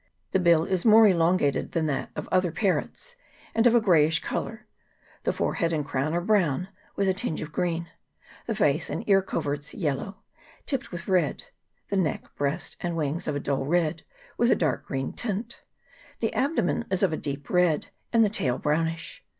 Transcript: The bill is more elongated than that of other parrots, and of a greyish colour ; the forehead and crown are brown, with a tinge of green ; the face and ear coverts yellow, tipped with red ; the neck, breast, and wings of a dull red, with a dark green tint ; the abdomen is of a deep red, and the tail brownish.